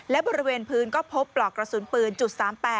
และบริเวณพื้นก็พบปลอกกระสุนปืน๓๘